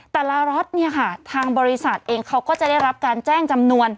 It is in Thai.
แต่ละล็อตเนี่ยค่ะทางบริษัทเองเขาก็จะได้รับการแจ้งจำนวน